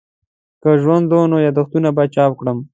که ژوند وو نو یادښتونه به چاپ کړم.